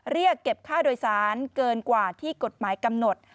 เรียกเก็บค่าโดยสารเกินกว่าที่กฎหมายกำหนด